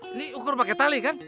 ini ukur pakai tali kan